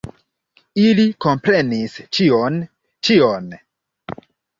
Ili komprenis ĉion, ĉion!